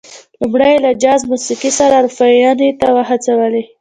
لومړی یې له جاز موسيقۍ سره اروپايانې وهڅولې.